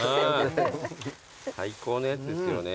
最高のやつですよね。